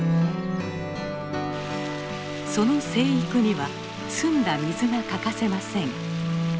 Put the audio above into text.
その生育には澄んだ水が欠かせません。